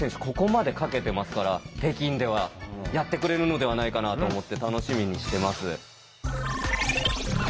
ここまでかけてますから北京ではやってくれるのではないかなと思って楽しみにしてます。